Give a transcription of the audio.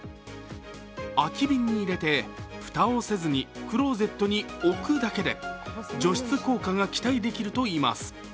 空き瓶に入れて、蓋をせずにクローゼットに置くだけで除湿効果が期待できるといいます。